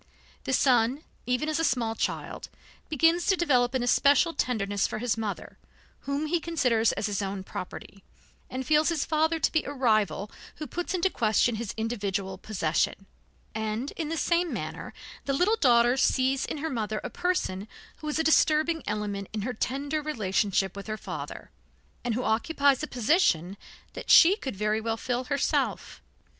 The son, even as a small child, begins to develop an especial tenderness for his mother, whom he considers as his own property, and feels his father to be a rival who puts into question his individual possession; and in the same manner the little daughter sees in her mother a person who is a disturbing element in her tender relationship with her father, and who occupies a position that she could very well fill herself.